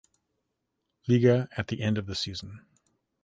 Liga at the end of the season.